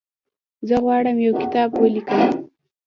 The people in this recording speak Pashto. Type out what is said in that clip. زه غواړم یو کتاب ولیکم.